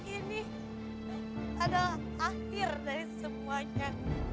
ini adalah akhir dari semuanya